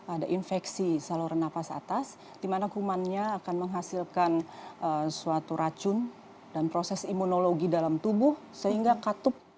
ada infeksi saluran nafas atas di mana kumannya akan menghasilkan suatu racun dan proses imunologi dalam tubuh sehingga katup